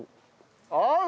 合う！